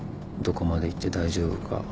どこまで言って大丈夫か。